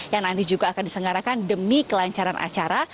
yang nanti juga akan disengarakan demi kelancaran acara